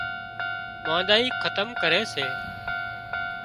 مانۮائي کتم ڪري سي